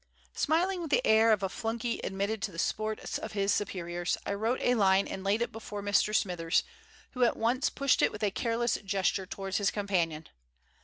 Smiling with the air of a flunkey admitted to the sports of his superiors, I wrote a line and laid it before Mr. Smithers, who at once pushed it with a careless gesture towards his companion.